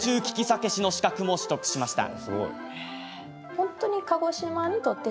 酒師の資格も取得しました。